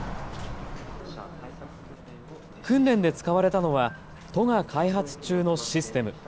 訓練で使われれたのは都が開発中のシステム。